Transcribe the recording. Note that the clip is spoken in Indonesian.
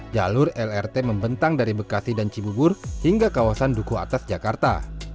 jalur lrt membentang dari bekasi dan cibubur hingga kawasan duku atas jakarta